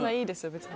別に。